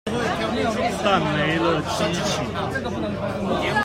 但沒了激情